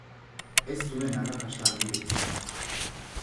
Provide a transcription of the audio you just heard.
Ez zuen arrakasta handirik izan.